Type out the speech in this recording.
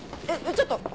ちょっとー！